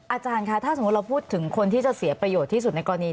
อาจารย์คะถ้าสมมุติเราพูดถึงคนที่จะเสียประโยชน์ที่สุดในกรณี